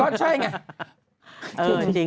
ก็ใช่ไง